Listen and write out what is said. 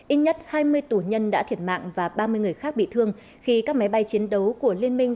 ít nhất hai mươi tù nhân đã thiệt mạng và ba mươi người khác bị thương khi các máy bay chiến đấu của liên minh